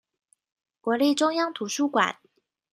國立中央圖書館